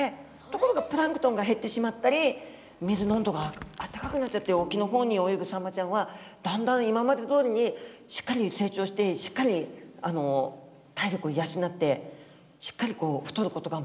ところがプランクトンが減ってしまったり水の温度があったかくなっちゃって沖の方に泳ぐサンマちゃんはだんだん今までどおりにしっかり成長してしっかり体力を養ってしっかりこう太ることがむずかしくなってるみたい。